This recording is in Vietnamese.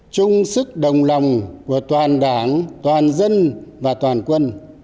chung sức đồng lòng của toàn đảng toàn dân và toàn quân